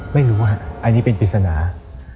ไม่รู้อ่ะอันนี้เป็นวิษเนาะ